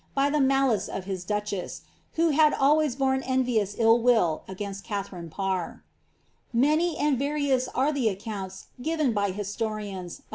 by the malice of his duchess, who had always borne envious ill will against Katharine Parr. Many and various are the accounts given by historians of the caust —I _—' *:*uic I'apers.